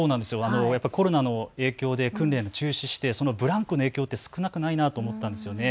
コロナの影響で訓練が中止してブランクの影響って少なくないと思いました。